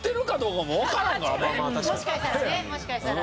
もしかしたらねもしかしたら。